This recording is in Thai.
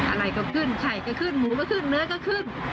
อะไรก็ขึ้นไข่ก็ขึ้นหมูก็ขึ้นเนื้อก็ขึ้น